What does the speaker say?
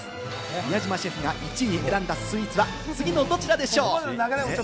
宮島シェフが１位に選んだスイーツは次のどちらでしょう？